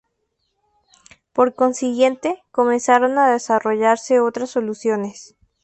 Por consiguiente, comenzaron a desarrollarse otras soluciones.